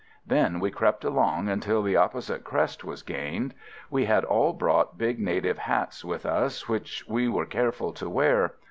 Then we crept along until the opposite crest was gained. We had all brought big native hats with us, which we were careful to wear.